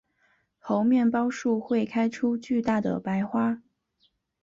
猴面包树会开出巨大的白花。